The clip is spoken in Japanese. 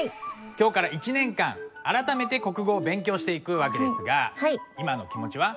今日から１年間あらためて国語を勉強していく訳ですが今の気持ちは？